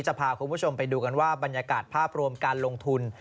จะพาคุณผู้ชมไปดูกันว่าบรรยากาศภาพรวมการลงทุน